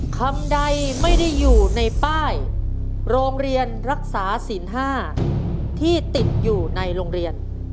คำใดไม่ได้อยู่ในป้ายโรงเรียนรักษาศีล๕ที่ติดอยู่ในโรงเรียน